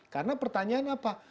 karena pertanyaan apa